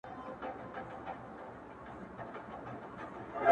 o تور دي کړم بدرنگ دي کړم ملنگ ـملنگ دي کړم ـ